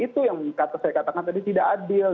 itu yang saya katakan tadi tidak adil